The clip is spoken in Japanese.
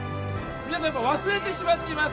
皆さん、忘れてしまっています！